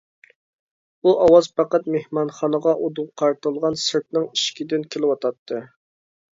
ئۇ ئاۋاز پەقەت مېھمانخانىغا ئۇدۇل قارىتىلغان سىرتنىڭ ئىشىكىدىن كېلىۋاتاتتى.